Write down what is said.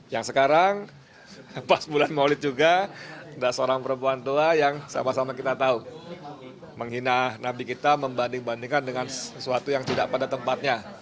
yang sekarang pas bulan maulid juga ada seorang perempuan tua yang sama sama kita tahu menghina nabi kita membanding bandingkan dengan sesuatu yang tidak pada tempatnya